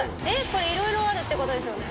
これいろいろあるってことですよね。